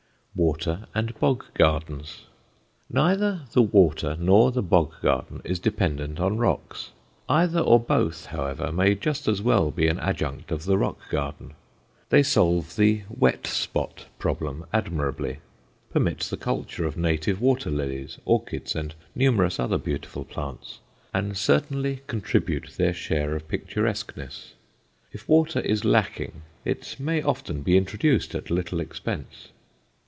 WATER AND BOG GARDENS Neither the water nor the bog garden is dependent on rocks. Either or both, however, may just as well be an adjunct of the rock garden. They solve the wet spot problem admirably, permit the culture of native water lilies, orchids, and numerous other beautiful plants, and certainly contribute their share of picturesqueness. If water is lacking, it may often be introduced at little expense.